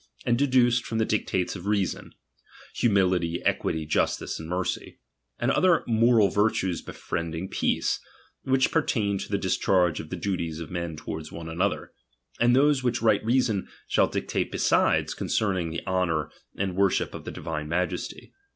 and deduced from the dictates of reason, humility, equity, justice, mercy; and other moral virtues befriending peace, which per tain to the discharge of the duties of men one toward the other ; and those which right reason shall dictate besides, concerning the honour aed worship of the Divine Majesty.